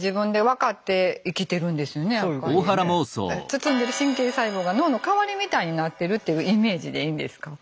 包んでる神経細胞が脳の代わりみたいになってるっていうイメージでいいんですか？